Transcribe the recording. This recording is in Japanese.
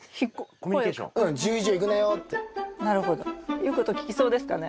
言うこと聞きそうですかね？